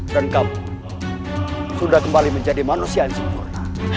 kamu sudah kembali menjadi manusia yang sempurna